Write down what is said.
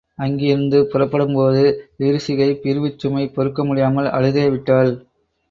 அங்கிருந்து புறப்படும்போது விரிசிகை பிரிவுச் சுமை பொறுக்கமுடியாமல் அழுதேவிட்டாள்.